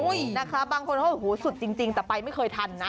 อุ้ยนะคะบางคนโหโหสุดจริงตะไปไม่เคยทันนะ